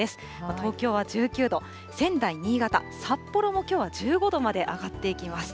東京は１９度、仙台、新潟、札幌もきょうは１５度まで上がっていきます。